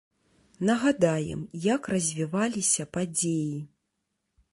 Нагадаем, як развіваліся падзеі.